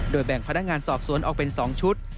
แบ่งพนักงานสอบสวนออกเป็น๒ชุด